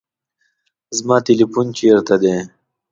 زما تلیفون چیرته دی؟